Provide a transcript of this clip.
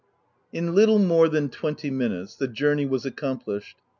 In little more than twenty minutes, the journey was accomplished.